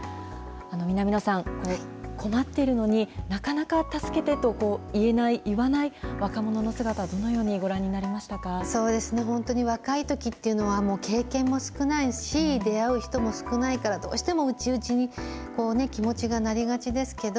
南野さん、困っているのに、なかなか助けてと言えない、言わない若者の姿、どのようにご覧になりそうですね、本当に若いときっていうのは、もう経験も少ないし、出会う人も少ないから、どうしても内々に気持ちがなりがちですけど、